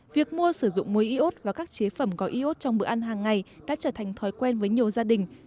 việc mua sử dụng muối iốt và các chế phẩm có iốt trong bữa ăn hàng ngày đã trở thành thói quen với nhiều gia đình